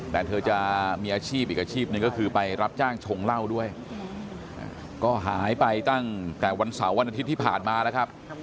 แต่เธอจะมีอาชีพอีกอาชีพหนึ่งก็คือไปรับจ้างชงเหล้าด้วยก็หายไปตั้งแต่วันเสาร์วันอาทิตย์ที่ผ่านมาแล้วครับ